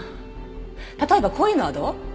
例えばこういうのはどう？